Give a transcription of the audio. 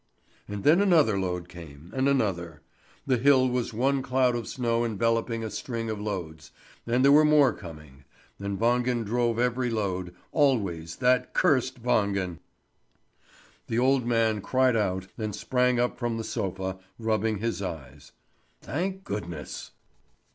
And then another load came, and another; the hill was one cloud of snow enveloping a string of loads, and there were more coming; and Wangen drove every load, always that cursed Wangen! The old man cried out and sprang up from the sofa, rubbing his eyes. Thank goodness!